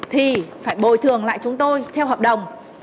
thì phải bồi thường lại chúng tôi theo hợp đồng